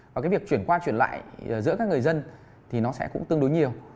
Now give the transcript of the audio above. và việc chuyển qua chuyển lại giữa các người dân thì nó sẽ cũng tương đối nhiều